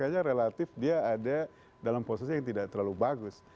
jadi makanya relatif dia ada dalam posisi yang tidak terlalu bagus